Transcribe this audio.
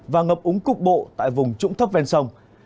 và ngập úng cục bộ tại vùng trũng thấp ven sông